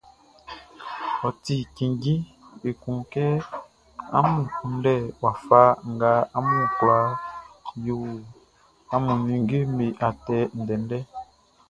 Ɔ ti cinnjin ekun kɛ amun kunndɛ wafa nga amun kwla yo amun ninngeʼm be atɛ ndɛndɛʼn.